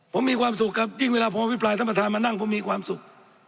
ผมมีความสุขครับยิ่งเวลาผมมาวิปรายธรรมธาตุมานั่งผมมีความสุข